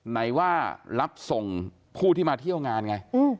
ไหนว่ารับส่งผู้ที่มาเที่ยวงานไง